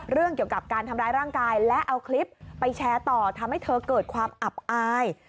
เรื่องเกี่ยวกับการทำร้ายร่างกายและเอาคลิปไปแชร์ต่อทำให้เธอเกิดความอับอาย